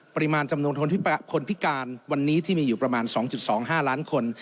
ปริมาณจำนวนคนพิการวันนี้ที่มีอยู่ประมาณ๒๒๕ล้านคน